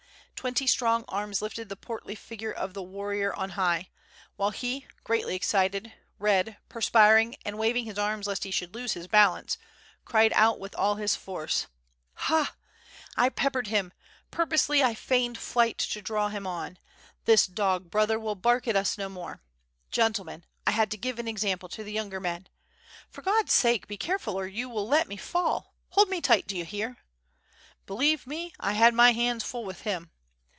Twenty strong arms lifted the portly figure of the warrior on high; while he, greatly excited, red, perspiring and waving his arms lest he should lose his balance, cried out with all his force: "Ha! I peppered him, purposely I feigned flight to draw yi^ WITH nRE AND SWORD, him on. This dog hrother will bark at us no more. Gentle men, I had to give an example to the younger men. ... For God's sake be careful or you will let me fall, hold me tight, do you hear? ... believe me, 1 had my hands full with him.